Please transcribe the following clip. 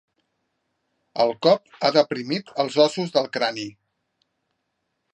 El cop ha deprimit els ossos del crani.